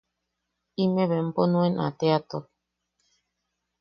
Imeʼe bempo nuan a teatuak.